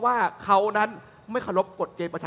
ซึ่งเหล่านั้นทั้งหมดจะไม่ใช่